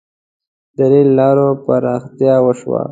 • د رېل لارو پراختیا وشوه.